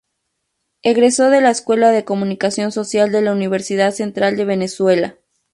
Egresó de la escuela de Comunicación Social de la Universidad Central de Venezuela.